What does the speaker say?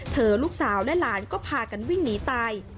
ลูกสาวและหลานก็พากันวิ่งหนีตาย